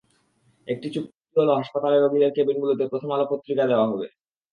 একটি চুক্তি হলো হাসপাতালে রোগীদের কেবিনগুলোতে প্রথম আলো পত্রিকা দেওয়া হবে।